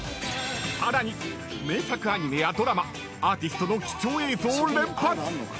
更に、名作アニメやドラマアーティストの貴重映像、連発。